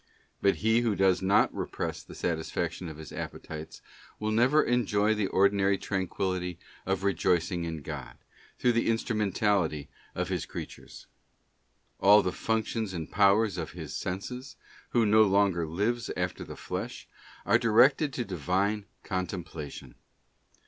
But he who does not repress the satisfaction of his appetites will never enjoy the ordinary tranquillity of rejoicing in God, through the instrumentality of His creatures. All the functions and powers of his senses, who no longer lives after the flesh, are directed to Divine Contemplation.